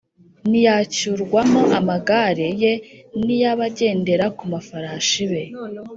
n’iyacyurwagamo amagare ye n’iy’abagendera ku mafarashi be